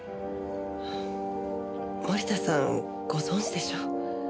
森田さんご存じでしょ？